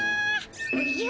おじゃ。